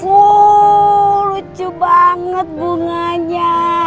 wuuu lucu banget bunganya